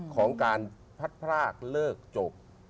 ของการพัดพรากเลิกจบ